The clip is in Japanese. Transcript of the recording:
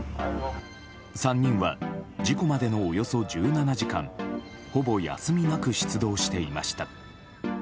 ３人は事故までのおよそ１７時間ほぼ休みなく出動していました。